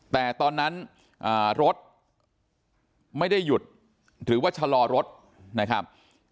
แต่ตอนนั้นรถไม่ได้หยุดหรือว่าชะลอรถนะครับ